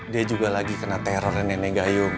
dia juga lagi kena teror dan nenek gayung